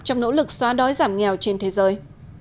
trong nỗ lực xóa đói giảm nghèo trên thế giới